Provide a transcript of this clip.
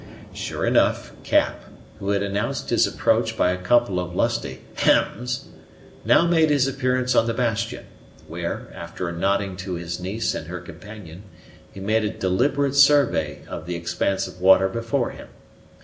Sure enough, Cap, who had announced his approach by a couple of lusty hems, now made his appearance on the bastion, where, after nodding to his niece and her companion, he made a deliberate survey of the expanse of water before him.